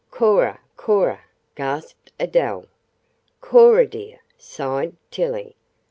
"Cora! Cora!" gasped Adele. "Cora, dear!" sighed Tillie.